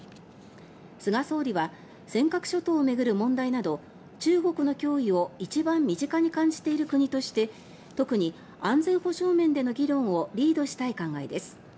菅総理は尖閣諸島を巡る問題など中国の脅威を一番身近に感じている国として特に安全保障面での議論をリードしたい考えです。